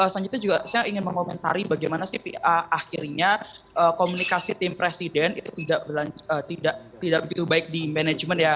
saya ingin mengomentari bagaimana si pa akhirnya komunikasi tim presiden itu tidak begitu baik di manajemen ya